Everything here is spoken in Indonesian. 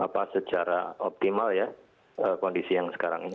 dan secara optimal ya kondisi yang sekarang ini